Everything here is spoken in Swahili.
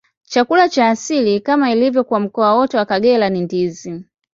Chakula cha asili, kama ilivyo kwa mkoa wote wa Kagera, ni ndizi.